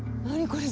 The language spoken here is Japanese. これ。